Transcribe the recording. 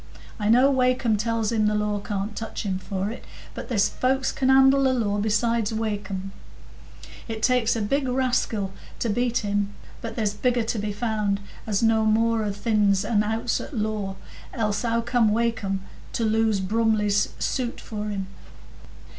I know Wakem tells him the law can't touch him for it, but there's folks can handle the law besides Wakem. It takes a big raskil to beat him; but there's bigger to be found, as know more o' th' ins and outs o' the law, else how came Wakem to lose Brumley's suit for him?"